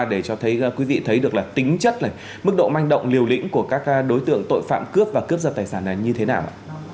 để cho thấy quý vị thấy được là tính chất mức độ manh động liều lĩnh của các đối tượng tội phạm cướp và cướp giật tài sản này như thế nào ạ